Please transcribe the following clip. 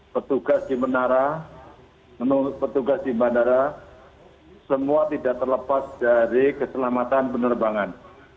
petugas di menara petugas di bandara semua tidak terlepas dari keselamatan penerbangan